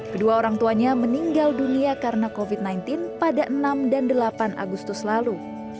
kedua orang tuanya meninggal dunia karena covid sembilan belas pada enam dan delapan agustus lalu